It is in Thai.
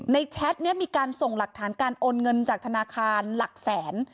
แชทนี้มีการส่งหลักฐานการโอนเงินจากธนาคารหลักแสน